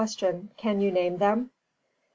Can you name them? A.